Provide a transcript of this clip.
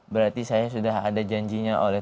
berarti saya sudah ada janjinya oleh